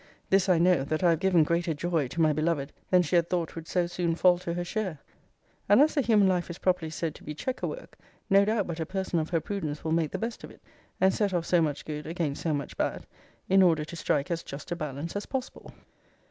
This I know, that I have given greater joy to my beloved, than she had thought would so soon fall to her share. And as the human life is properly said to be chequerwork, no doubt but a person of her prudence will make the best of it, and set off so much good against so much bad, in order to strike as just a balance as possible.